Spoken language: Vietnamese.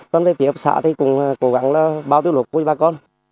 văn luyện phía hợp xã cũng cố gắng bao tiêu lúa cho bà con